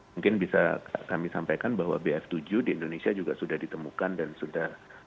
mungkin bisa kami sampaikan bahwa bf tujuh di indonesia juga sudah ditemukan dan sudah